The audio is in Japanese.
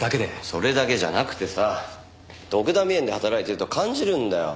それだけじゃなくてさドクダミ園で働いてると感じるんだよ。